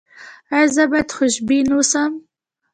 ایا زه باید خوشبین اوسم؟